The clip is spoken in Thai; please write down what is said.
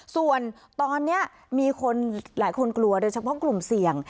ส่วนตอนนี้มีคนหลายคนกลัวโดยเฉพาะกลุ่มเสี่ยง